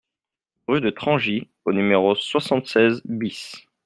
Rue de Trangy au numéro soixante-seize BIS